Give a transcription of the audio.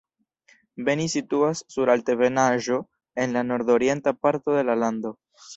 Beni situas sur altebenaĵo en la nordorienta parto de la lando.